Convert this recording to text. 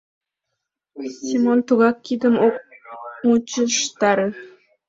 — Семон тугак кидым ок мучыштаре.